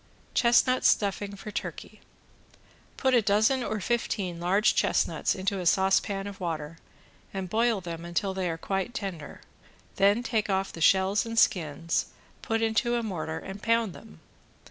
~CHESTNUT STUFFING FOR TURKEY~ Put a dozen or fifteen large chestnuts into a saucepan of water, and boil them until they are quite tender, then take off the shells and skins, put into a mortar and pound them.